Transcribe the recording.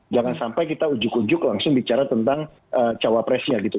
jangan sampai kita ujuk ujuk langsung bicara tentang cawapresnya gitu